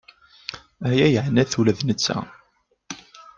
Aya yeɛna-t ula d netta.